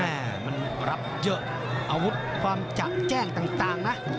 มันรับเยอะอาวุธความจะแจ้งต่างนะ